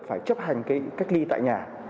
phải chấp hành cách ly tại nhà